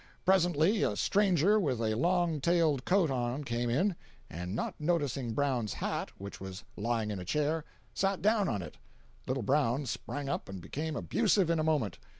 Presently a stranger with a long tailed coat on came in, and not noticing Brown's hat, which was lying in a chair, sat down on it. Little Brown sprang up and became abusive in a moment.